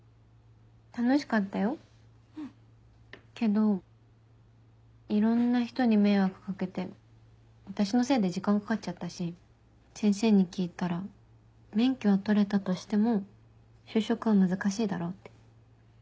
楽しかったよ。けどいろんな人に迷惑掛けて私のせいで時間かかっちゃったし先生に聞いたら免許は取れたとしても就職は難しいだろうって。